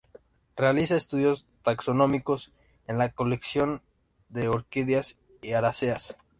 Realiza estudios taxonómicos en las colecciones de orquídeas y aráceas.